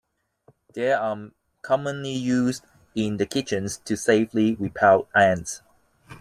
They are commonly used in kitchens to safely repel ants.